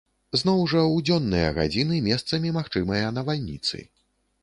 Зноў жа ў дзённыя гадзіны месцамі магчымыя навальніцы.